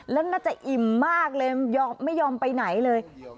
แล้วน่าจะอิ่มมากเลยไม่ยอมไปไหนเลย